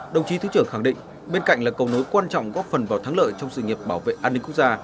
đồng chí thứ trưởng khẳng định bên cạnh là cầu nối quan trọng góp phần vào thắng lợi trong sự nghiệp bảo vệ an ninh quốc gia